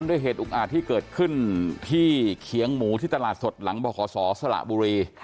ด้วยเหตุอุกอาจที่เกิดขึ้นที่เคียงหมูที่ตลาดสดหลังบขศสละบุรี